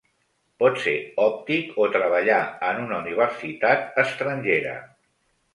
Pot ser òptic o treballar en una universitat estrangera.